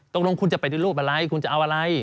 ตกลงคุณจะปฏิรูปอะไรคุณจะเอาอะไร